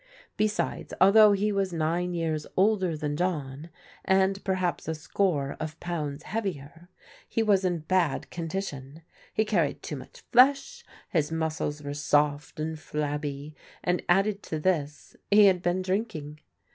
Besides, although he was nine years older than John, and perhaps a score of pounds heavier, he was in bad condi tion. He carried too much flesh, his muscles were soft and flabby, and added to this he had been drinking.